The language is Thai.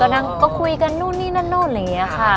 นั่งก็คุยกันนู่นนี่นั่นนู่นอะไรอย่างนี้ค่ะ